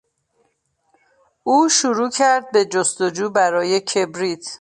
او شروع کرد به جستجو برای کبریت.